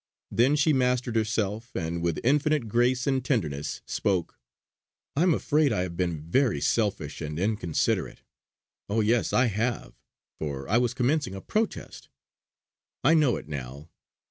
Then she mastered herself, and with infinite grace and tenderness spoke: "I'm afraid I have been very selfish and inconsiderate. Oh! yes I have" for I was commencing a protest. "I know it now.